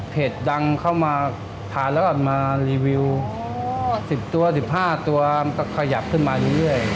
ดังเข้ามาทานแล้วก็มารีวิว๑๐ตัว๑๕ตัวมันก็ขยับขึ้นมาเรื่อย